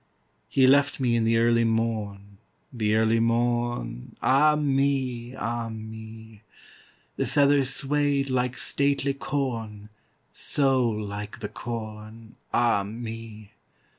He left me in the early morn, The early morn. Ah me! Ah me! The feathers swayed like stately corn, So like the corn. Ah me!